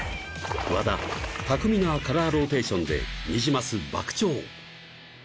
和田巧みなカラーローテーションでニジマス爆釣